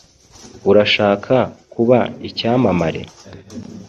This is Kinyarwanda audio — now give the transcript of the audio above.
Urashaka kuba icyamamare?